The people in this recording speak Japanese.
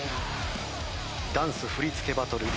ダンス振り付けバトル